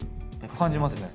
感じますね